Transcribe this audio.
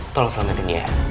tolong selamatin dia